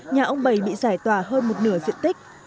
nhà ông bày bị giải tỏa hơn một nửa diện tích